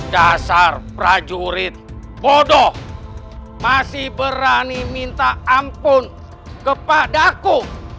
dasar prajurit bodoh masih berani minta ampun kepada aku